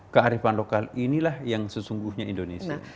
kearifan lokal inilah yang sesungguhnya indonesia